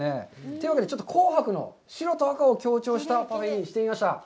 というわけで赤白の白と赤を強調したパフェにしてみました。